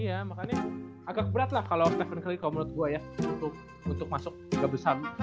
iya makanya agak berat lah kalau stephen kelly kalau menurut gue ya untuk masuk tiga besar